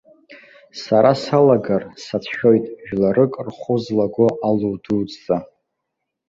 Сара салагар, сацәшәоит, жәларык рхәы злаго алу дуӡӡа.